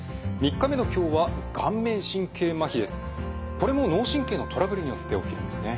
これも脳神経のトラブルによって起きるんですね。